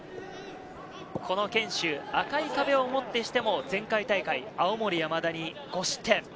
この堅守、赤い壁をもってしても前回大会、青森山田に５失点。